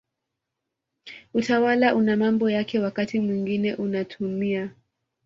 Utawala una mambo yake wakati mwingine unatumia